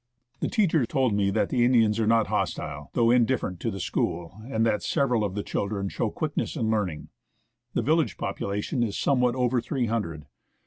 The teacher told me that the Indians are not hostile, though indifferent to the school, and that several of the children show quick ness in learning. The village population is somewhat over three hundred.